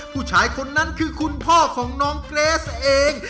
ผู้ชายคนนั้นคือคุณพ่อของน้องเกรสเอง